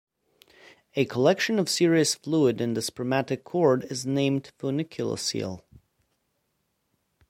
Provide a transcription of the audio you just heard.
A collection of serous fluid in the spermatic cord is named 'funiculocele'.